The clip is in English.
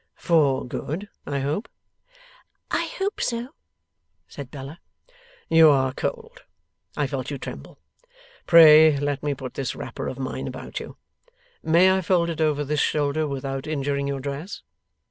'For good, I hope?' 'I hope so,' said Bella. 'You are cold; I felt you tremble. Pray let me put this wrapper of mine about you. May I fold it over this shoulder without injuring your dress?